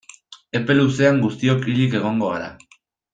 Epe luzean guztiok hilik egongo gara.